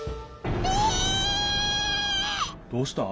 どうした？